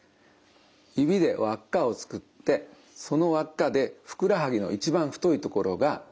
指で輪っかを作ってその輪っかでふくらはぎの一番太いところがつかめるか。